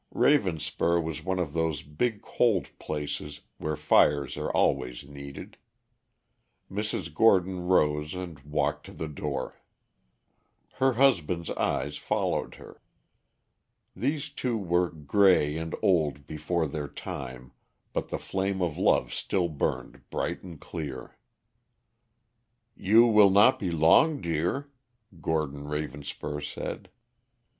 Ravenspur was one of those big cold places where fires are always needed. Mrs. Gordon rose and walked to the door. Her husband's eyes followed her. These two were gray and old before their time, but the flame of love still burned bright and clear. "You will not be long, dear," Gordon Ravenspur said.